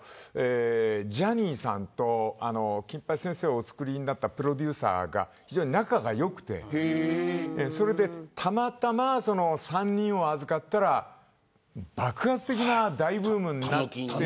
ジャニーさんと金八先生をお作りになったプロデューサーが非常に仲が良くてたまたま３人を預かったら爆発的な大ブームになって。